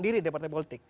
diri di partai politik